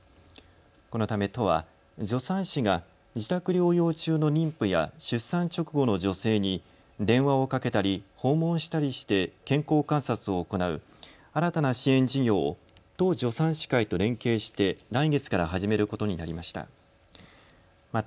このため都は助産師が自宅療養中の妊婦や出産直後の女性に電話をかけたり、訪問したりして健康観察を行う、新たな支援事業を都助産師会と連携して来月から始めることになりました。